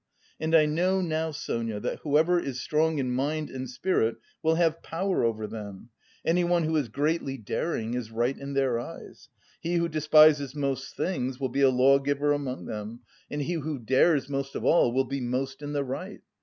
And I know now, Sonia, that whoever is strong in mind and spirit will have power over them. Anyone who is greatly daring is right in their eyes. He who despises most things will be a lawgiver among them and he who dares most of all will be most in the right!